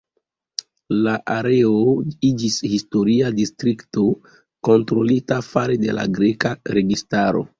La areo iĝis historia distrikto kontrolita fare de la greka registaro.